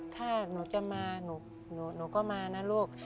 ถ้าหนูจะมาหนูก็มานะลูก